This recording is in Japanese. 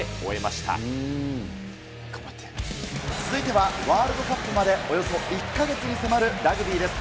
続いてはワールドカップまでおよそ１か月に迫るラグビーです。